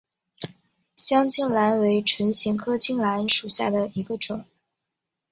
香青兰为唇形科青兰属下的一个种。